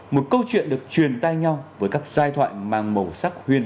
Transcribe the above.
một câu chuyện được truyền tay nhau với các giai thoại mang màu sắc huyền